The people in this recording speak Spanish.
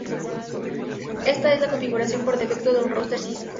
Esta es la configuración por defecto de un router Cisco.